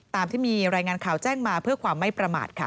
ตามที่มีรายงานข่าวแจ้งมาเพื่อความไม่ประมาทค่ะ